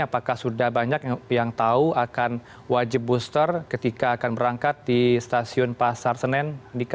apakah sudah banyak yang tahu akan wajib booster ketika akan berangkat di stasiun pasar senen